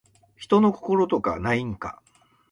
人の心とかないんか